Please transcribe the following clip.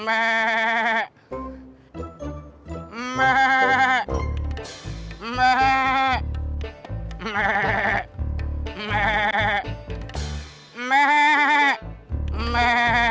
bentar bentar bentar